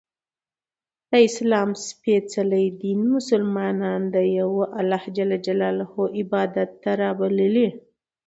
د اسلام څپېڅلي دین ملسلمانان د یوه خدایﷻ عبادت ته رابللي